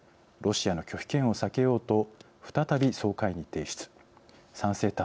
ロシアの拒否権を避けようと再び総会に提出賛成